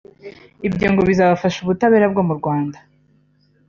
Ibyo ngo bizafasha ubutabera bwo mu Rwanda